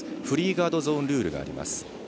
フリーガードゾーンルールがあります。